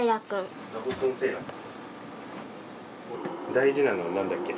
大事なのは何だっけ？